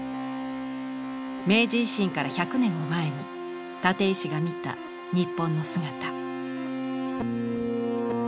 明治維新から１００年を前に立石が見た日本の姿。